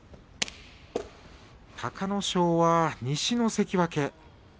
隆の勝は、西の関脇。